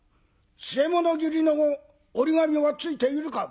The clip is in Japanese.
据物斬りの折り紙はついているか？」。